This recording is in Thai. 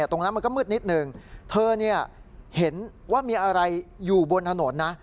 ตรงนั้นมันก็มืดนิดนึงเธอเห็นว่ามีอะไรอยู่บนถนนนะ